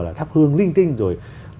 là thắp hương linh tinh rồi